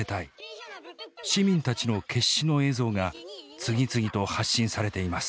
市民たちの決死の映像が次々と発信されています。